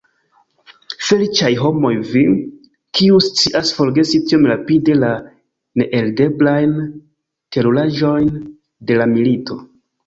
Feliĉaj homoj vi, kiuj scias forgesi tiom rapide la neeldireblajn teruraĵojn de la milito!